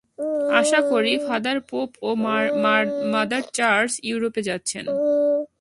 আশা করি, father pope ও mother church ইউরোপে যাচ্ছেন।